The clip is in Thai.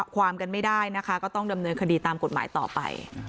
ก็ต้องดำเนินคดีตามกฎหมายต่อไป